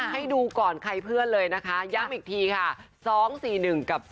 ให้ดูก่อนใครเพื่อนเลยนะคะย้ำอีกทีค่ะ๒๔๑กับ๒